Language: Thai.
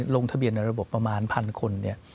ลงทะเบียนในระบบประมาณพันคน